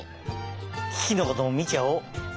キキのこともみちゃおう！